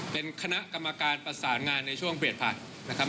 เป็นคณะกรรมการประสานงานในช่วงเปลี่ยนผ่านนะครับ